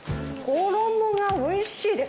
衣がおいしいです。